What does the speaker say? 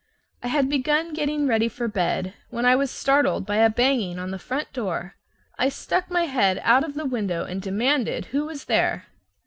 I had begun getting ready for bed when I was startled by a banging on the front door. I stuck my head out of the window and demanded who was there.